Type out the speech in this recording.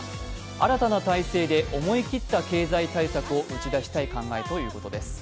新たな体制で思い切った経済対策を打ち出したい考えということです。